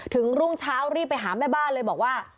รุ่งเช้ารีบไปหาแม่บ้านเลยบอกว่า